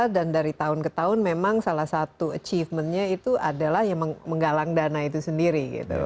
dan dari tahun ke tahun memang salah satu achievementnya itu adalah menggalang dana itu sendiri